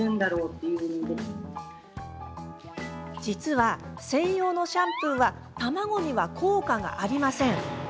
実は、専用のシャンプーは卵には効果がありません。